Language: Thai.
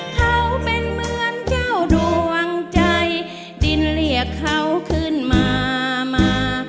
เขาเป็นเหมือนเจ้าดวงใจดินเรียกเขาขึ้นมามา